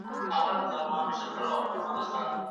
که ته خپل ځان وپېژنې نو دنیا به وپېژنې.